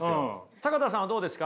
坂田さんはどうですか？